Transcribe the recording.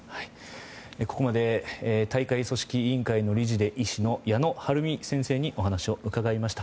ここまで大会組織委員会の理事で医師の矢野晴美先生にお話を伺いました。